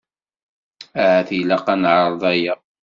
Ahat ilaq ad neɛreḍ aya.